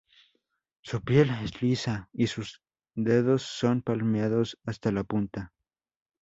Su piel es lisa, y sus dedos son palmeados hasta la punta.